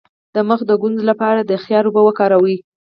د مخ د ګونځو لپاره د خیار اوبه وکاروئ